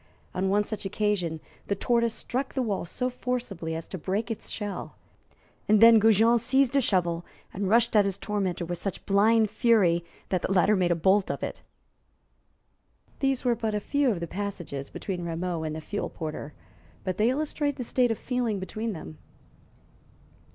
On one such occasion the tortoise struck the wall so forcibly as to break its shell, and then Goujon seized a shovel and rushed at his tormentor with such blind fury that the latter made a bolt of it. These were but a few of the passages between Rameau and the fuel porter, but they illustrate the state of feeling between them.